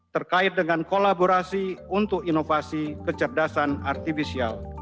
terkait dengan kolaborasi untuk inovasi kecerdasan artificial